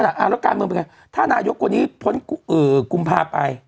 แล้วการเมืองเป็นไงถ้านายกคนนี้พ้นกุมภาไป